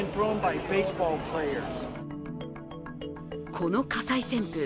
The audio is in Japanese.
この火災旋風